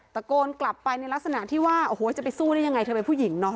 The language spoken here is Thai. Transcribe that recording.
ตะโกนกลับไปในลักษณะที่ว่าโอ้โหจะไปสู้ได้ยังไงเธอเป็นผู้หญิงเนาะ